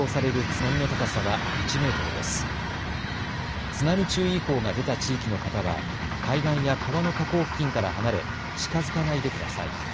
津波注意報が出た地域の方は海岸や川の河口付近から離れ近づかないでください。